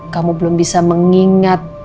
kamu belum bisa mengingat